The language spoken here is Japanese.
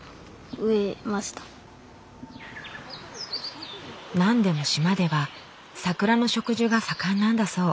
何でも島では桜の植樹が盛んなんだそう。